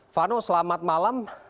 vano selamat malam